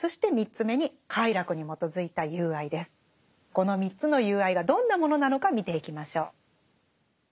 この３つの友愛がどんなものなのか見ていきましょう。